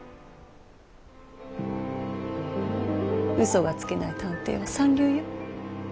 うそがつけない探偵は三流よ。